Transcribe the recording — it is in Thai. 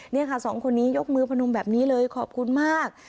นี่ค่ะสองคนนี้ยกมือพนมแบบนี้เลยขอบคุณมาก